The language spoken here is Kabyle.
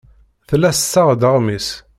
Tella tessaɣ-d aɣmis.